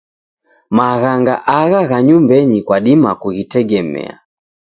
Maghanga agha gha nyumbenyi kwadima kughitegemea.